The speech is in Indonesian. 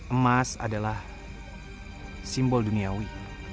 emas adalah simbol duniawi